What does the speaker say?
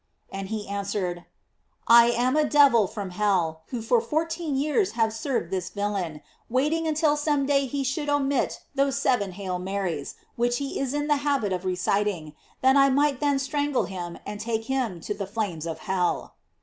And he answered: "I am a devil from hell, who for fourteen years have served this villain, waiting until some day he should omit those seven "Hail Marys" which he is in the habit of reciting, that I might then strangle him and take him to the flames of hell."